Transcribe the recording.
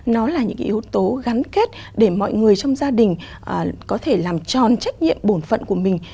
nó là những yếu tố gắn kết để mọi người trong gia đình có thể làm tròn trách nhiệm bổn phận của mình